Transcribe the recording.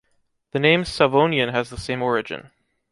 The name Savognin has the same origin.